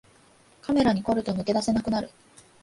カメラに凝ると抜け出せなくなる